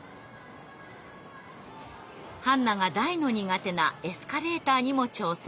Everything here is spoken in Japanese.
ハンナが大の苦手なエスカレーターにも挑戦。